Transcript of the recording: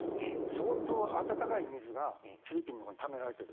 相当、暖かい水がフィリピンのほうにためられている。